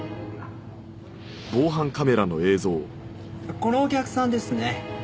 このお客さんですね。